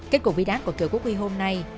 kết cục vi đát của kiều quốc huy hôm nay